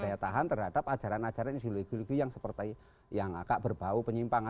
daya tahan terhadap ajaran ajaran yang seperti yang kak berbau penyimpang